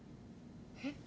えっ？